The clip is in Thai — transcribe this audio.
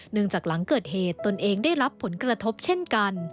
หลังจากหลังเกิดเหตุตนเองได้รับผลกระทบเช่นกัน